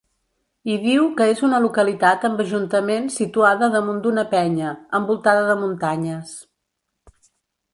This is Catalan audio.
Hi diu que és una localitat amb ajuntament situada damunt d'una penya, envoltada de muntanyes.